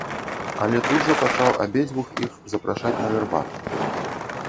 Але тут жа пачаў абедзвюх іх запрашаць на гарбату.